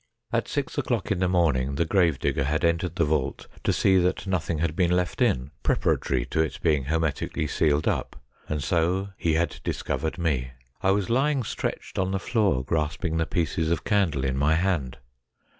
At six o'clock in the morning the gravedigger had entered the vault to see that nothing had been left in, preparatory to its being hermetically sealed up, and so he had discovered me. I was lying stretched on the floor grasping the pieces of candle in my hand.